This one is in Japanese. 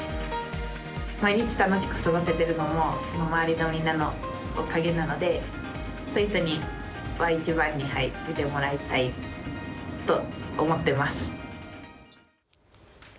毎日、楽しく過ごせてるのもその周りのみんなのおかげなのでそういう人には一番に見てもらいたいと思ってます。